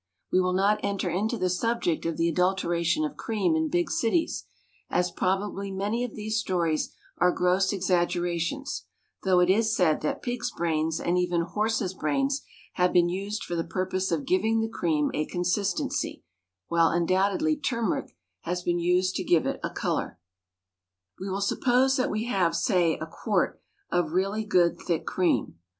We will not enter into the subject of the adulteration of cream in big cities, as probably many of these stories are gross exaggerations, though it is said that pigs' brains and even horses' brains have been used for the purpose of giving the cream a consistency, while undoubtedly turmeric has been used to give it a colour. We will suppose that we have, say, a quart of really good thick cream.